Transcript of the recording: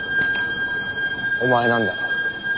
お前なんだろ？